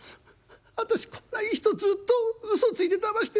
私こんないい人ずっとうそついてだまして。